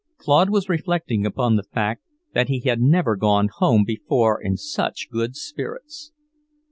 Claude was reflecting upon the fact that he had never gone home before in such good spirits.